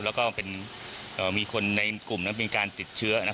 แล้วก็เป็นเอ่อมีคนในกลุ่มนั้นเป็นการติดเชื้อนะครับ